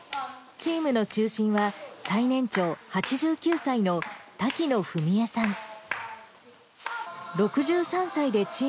チームの中心は、最年長、８９歳の滝野文恵さん。